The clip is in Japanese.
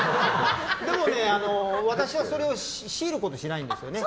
でもね、私はそれを強いることはしないんですよね。